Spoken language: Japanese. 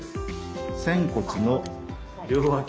仙骨の両脇。